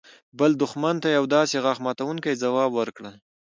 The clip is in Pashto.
بل دښمن ته يو داسې غاښ ماتونکى ځواب ورکړل.